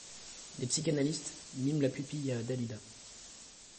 Des psychanalistes miment la pupille à Dalida!